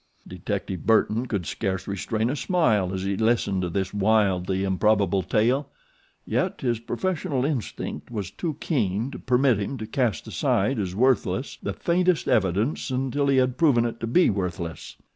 Detective Burton could scarce restrain a smile as he listened to this wildly improbable tale, yet his professional instinct was too keen to permit him to cast aside as worthless the faintest evidence until he had proven it to be worthless.